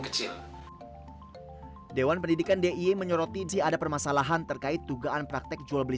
kecil dewan pendidikan dia menyoroti di ada permasalahan terkait tugaan praktek jual beli